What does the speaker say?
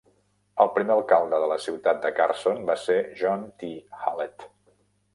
El primer alcalde de la ciutat de Carson va ser John T. Hallett.